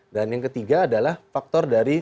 dan yang ketiga adalah faktor dari